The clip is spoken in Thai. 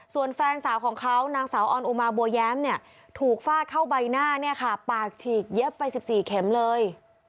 ส่วนแฟนสาวของเขานางสาวออนอุมาบัวแย้มเนี่ยถูกฟาดเข้าใบหน้าเนี่ยค่ะปากฉีกเย็บไป๑๔เข็มเลย